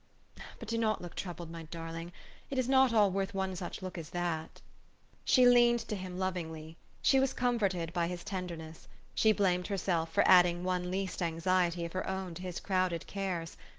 But do not look troubled, my darling. It is not all worth one such look as that." She leaned to him lovingly ; she was comforted by his tenderness ; she blamed herself for adding one least anxiety of her own to his crowded cares.